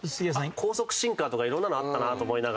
高速シンカーとか色んなのあったなと思いながら。